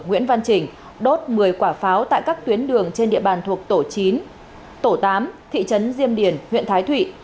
nguyễn văn trình đốt một mươi quả pháo tại các tuyến đường trên địa bàn thuộc tổ chín tổ tám thị trấn diêm điền huyện thái thụy